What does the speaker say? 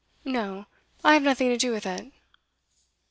'No. I have nothing to do with it.